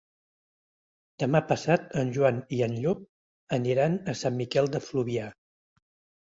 Demà passat en Joan i en Llop aniran a Sant Miquel de Fluvià.